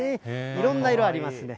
いろんな色ありますね。